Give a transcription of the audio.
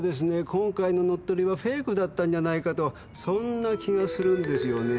今回の乗っ取りはフェイクだったんじゃないかとそんな気がするんですよねえ。